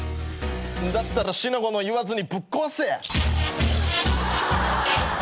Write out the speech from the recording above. だったら四の五の言わずにぶっ壊せ。